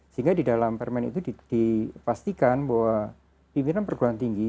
sehingga di dalam permen itu dipastikan bahwa pimpinan perguruan tinggi